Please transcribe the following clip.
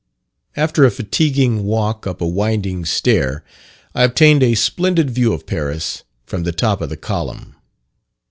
After a fatiguing walk up a winding stair, I obtained a splendid view of Paris from the top of the column.